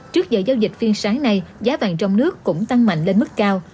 trước giờ giao dịch phiên sáng nay giá vàng trong nước cũng tăng mạnh lên mức cao